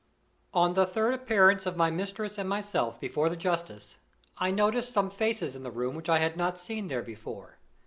ON the third appearance of my mistress and myself before the justice, I noticed some faces in the room which I had not seen there before.